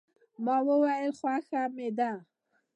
ما وویل، خوښه مې ده.